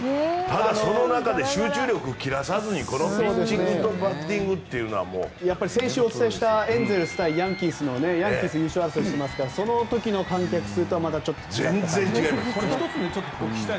ただ、その中で集中力を切らさずにこのピッチングバッティングは。先週お伝えしたエンゼルス対ヤンキースのねヤンキースは優勝争いしてますからその時の観客数とはまたちょっと違った。